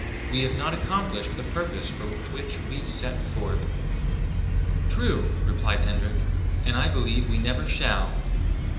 We have not accomplished the purpose for which we set forth." "True," replied Hendrik, "and I believe we never shall."